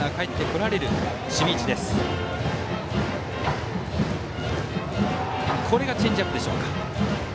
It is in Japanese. これがチェンジアップでしょうか。